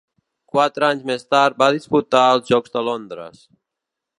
Quatre anys més tard va disputar els Jocs de Londres.